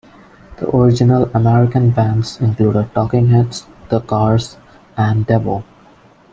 The original American bands included Talking Heads, The Cars, and Devo.